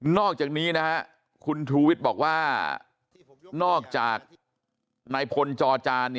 อกจากนี้คุณชูวิทย์บอกว่านอกจากนายพลจอจาน